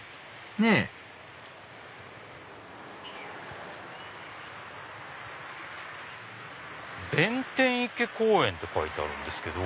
ねっ「弁天池公園」って書いてあるんですけど。